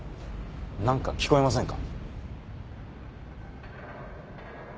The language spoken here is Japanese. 何か聞こえませんか？